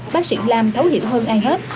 bác sĩ lam thấu hiểu hơn ai hết